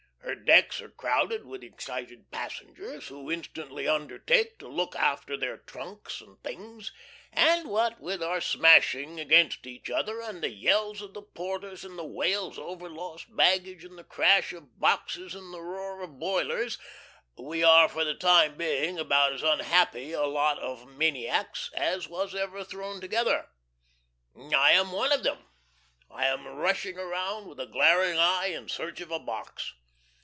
Her decks are crowded with excited passengers, who instantly undertake to "look after" their trunks and things; and what with our smashing against each other, and the yells of the porters, and the wails over lost baggage, and the crash of boxes, and the roar of the boilers, we are for the time being about as unhappy a lot of maniacs as was ever thrown together. I am one of them. I am rushing around with a glaring eye in search of a box.